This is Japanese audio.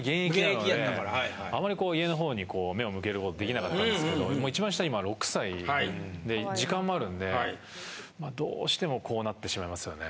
あまりこう家の方に目を向けること出来なかったんですけどもう一番下今６歳で時間もあるんでどうしてもこうなってしまいますよね。